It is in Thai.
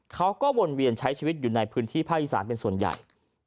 เขาก็วนเวียนใช้ชีวิตอยู่ในพื้นที่ภาคอีสานเป็นส่วนใหญ่